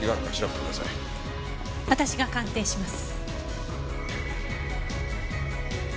私が鑑定します。